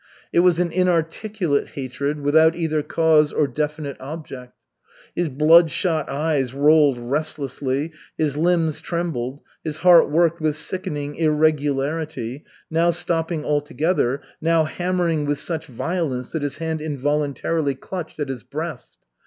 It was an inarticulate hatred, without either cause or definite object. His bloodshot eyes rolled restlessly, his limbs trembled, his heart worked with sickening irregularity, now stopping altogether, now hammering with such violence that his hand involuntarily clutched at his breast.